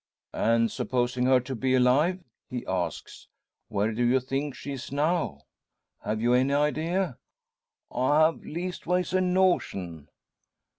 "And supposing her to be alive," he asks, "where do you think she is now? Have you any idea?" "I have leastways a notion."